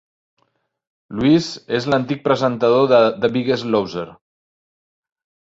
Lewis és l'antic presentador de "The Biggest Loser".